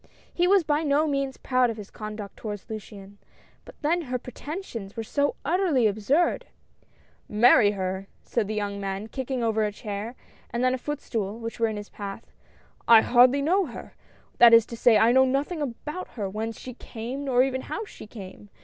He was by no means proud of his conduct toward Luciane — but then her pretensions were so utterly absurd !" Marry her !" said the young man, kicking over a chair, and then a footstool, which were in his path. I hardly know her^ — that is to say, I know nothing about her, whence she came, nor even how she came